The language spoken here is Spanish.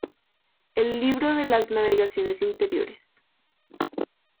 El libro de Las Navegaciones Interiores.